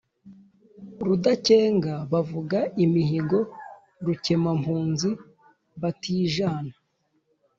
Rudakenga bavuga imihigo, rukemampunzi batijana,